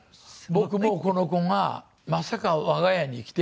僕もこの子がまさか我が家に来て。